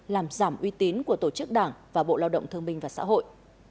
làm giảm uy tín của tổ chức đảng và bộ lao động thương minh và xã hội